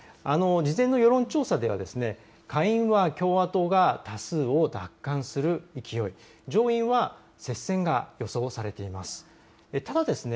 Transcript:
事前の世論調査では下院は共和党が多数を奪還する勢い、上院は接戦が予想されています。